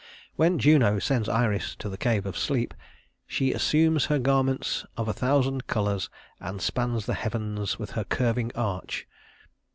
When Juno sends Iris to the Cave of Sleep "she assumes her garments of a thousand colors, and spans the heavens with her curving arch."